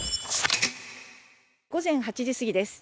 午前８時過ぎです。